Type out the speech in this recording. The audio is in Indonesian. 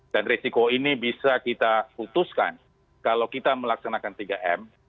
dan risiko ini bisa kita putuskan kalau kita melaksanakan tiga m